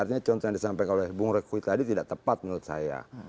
artinya contoh yang disampaikan oleh bung rekwi tadi tidak tepat menurut saya